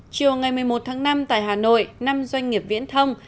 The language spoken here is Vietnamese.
chiều ngày một mươi một tháng năm tại hà nội năm doanh nghiệp viễn thông